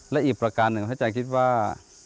และอีกประการหนึ่งให้ใจคิดว่า